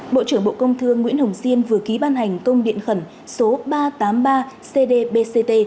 bộ trưởng bộ công thương nguyễn hồng diên vừa ký ban hành công điện khẩn số ba trăm tám mươi ba cdbct